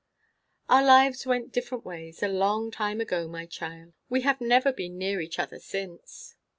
"Our lives went different ways, a long time ago, my child. We have never been near each other since."